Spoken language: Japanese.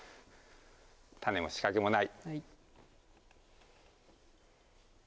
タネも仕掛けもない。